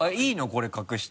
これ隠して。